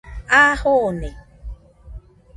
A jone